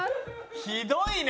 ひどいね！